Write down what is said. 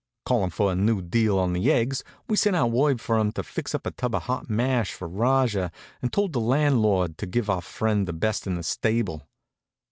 Callin' for a new deal on the eggs, we sent out word for 'em to fix up a tub of hot mash for Rajah and told the landlord to give our friend the best in the stable.